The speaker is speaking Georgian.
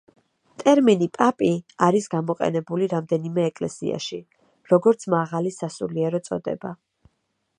ტერმინი „პაპი“ არის გამოყენებული რამდენიმე ეკლესიაში, როგორც მაღალი სასულიერო წოდება.